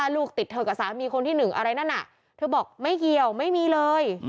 ลูกติดเธอกับสามีคนที่หนึ่งอะไรนั่นน่ะเธอบอกไม่เกี่ยวไม่มีเลย